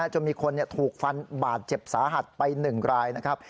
จนมีคนถูกฟันบาดเจ็บสาหัสไป๑รายนะครับ